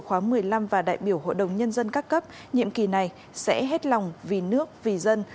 khóa một mươi năm và đại biểu hội đồng nhân dân các cấp nhiệm kỳ này sẽ hết lòng vì nước vì dân